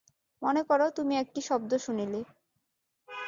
মনে কর, তুমি একটি শব্দ শুনিলে।